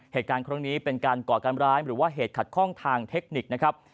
เหตุการณ์ครั้งนี้เป็นการก่อการร้ายหรือว่าเหตุขัดข้องทางเทคนิคนะครับ